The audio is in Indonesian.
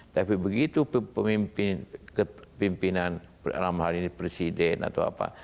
tapi begitu pimpinan dalam hal ini presiden atau apa